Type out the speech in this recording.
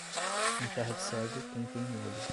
Em terra de cego, quem tem um olho